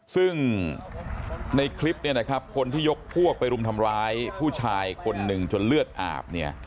ซึ่งในคลิปคนที่ยกพวกไปรุมทำร้ายผู้ชายคนหนึ่งจนเลือดอาบ